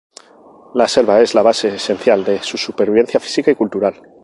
La selva es la base esencial de su supervivencia física y cultural.